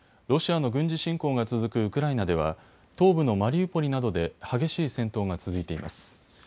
ロシアの軍事侵攻が続くウクライナでは東部のマリウポリなどで激しい戦闘が続いています。